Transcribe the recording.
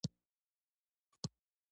تر یوه زیات مفهومونه ځنې متصور وي.